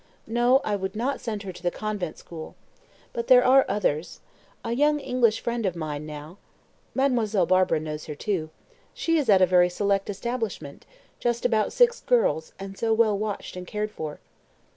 No, I would not send her to the convent school. But there are others. A young English friend of mine, now Mademoiselle Barbara knows her too she is at a very select establishment just about six girls and so well watched and cared for."